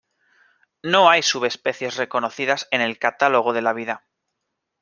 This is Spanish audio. No hay subespecies reconocidas en el Catálogo de la Vida.